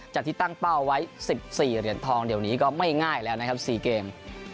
จากที่ตั้งเป้าไว้๑๔เหรียญทองเดี๋ยวนี้ก็ไม่ง่ายแล้วนะครับ๔เกม